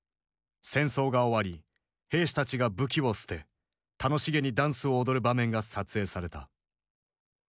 戦争が終わり兵士たちが武器を捨て楽しげにダンスを踊る場面が撮影された。